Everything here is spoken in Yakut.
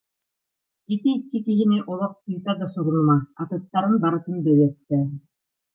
Ити икки киһини олох тыыта да сорунума, атыттарын барытын да өлөртөө